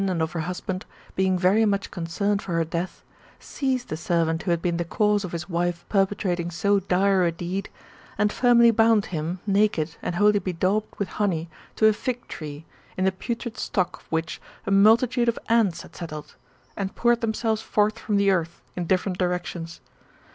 135 and of her husband, being very much concerned for her death, seized the servant who had been the cause of his wife perpe trating so dire a deed, and firmly bound him, naked, and wholly bedaubed with honey, to a fig tree, in the putrid stock of which a multitude of ants had settled, and poured them selves forth from the earth, in different directions.